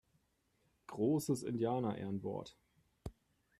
Großes Indianerehrenwort!